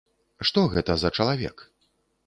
Што гэта за чалавек?